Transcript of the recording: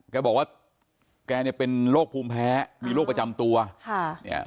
แกบอกว่าแกเนี่ยเป็นโรคภูมิแพ้มีโรคประจำตัวค่ะเนี่ย